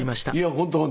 本当。